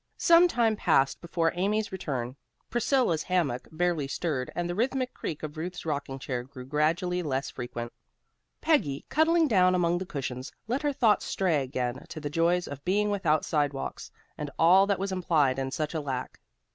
Some time passed before Amy's return. Priscilla's hammock barely stirred and the rhythmic creak of Ruth's rocking chair grew gradually less frequent. Peggy, cuddling down among the cushions, let her thoughts stray again to the joys of being without sidewalks, and all that was implied in such a lack.